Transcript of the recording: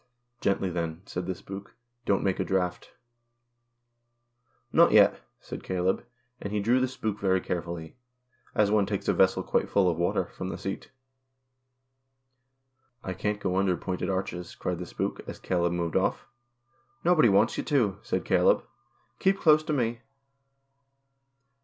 " Gently then," said the spook ;" don't make a draught." " Not yet," said Caleb, and he drew the spook very carefully (as one takes a vessel quite full of water) from the seat. " I can't go under pointed arches," cried the spook, as Caleb moved off. " Nobody wants you to," said Caleb. " Keep close to me."